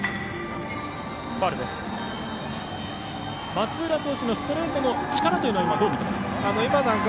松浦投手のストレートの力はどう見てますか。